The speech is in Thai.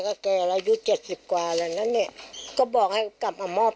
ก็แกอายุเจ็ดสิบกว่าแล้วนะเนี่ยก็บอกให้กลับมามอบ